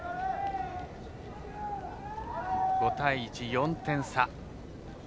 ５対１、４点差。